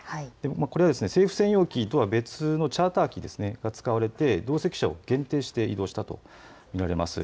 これは政府専用機とは別のチャーター機が使われて同席者を限定して移動したと見られます。